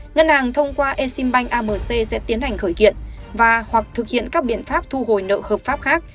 ngân hàng thông qua exim bank amc sẽ tiến hành khởi kiện và hoặc thực hiện các biện pháp thu hồi nợ hợp pháp khác